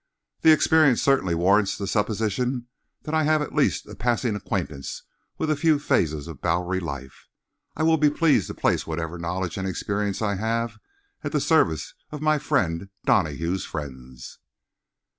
The experience certainly warrants the supposition that I have at least a passing acquaintance with a few phases of Bowery life. I will be pleased to place whatever knowledge and experience I have at the service of my friend Donahue's friends."